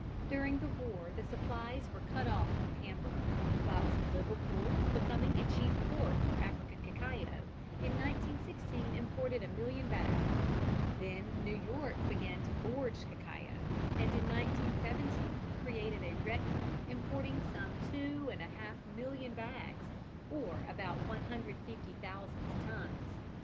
During the war the supplies were cut off from Hamburg, whilst Liverpool, becoming a chief port for African cacao, in 1916 imported a million bags. Then New York began to gorge cacao, and in 1917 created a record, importing some two and a half million bags, or about 150,000 tons.